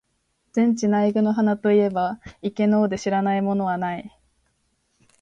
禅智内供の鼻と云えば、池の尾で知らない者はない。